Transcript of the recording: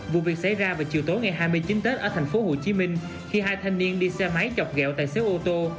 vụ việc xảy ra vào chiều tối ngày hai mươi chín tết ở thành phố hồ chí minh khi hai thanh niên đi xe máy chọc gẹo tài xế ô tô